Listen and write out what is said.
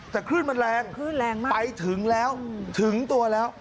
แต่ครื่นมันแรงไปถึงแล้วถึงตัวแล้ว